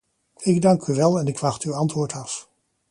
Ik dank u wel en ik wacht uw antwoord af.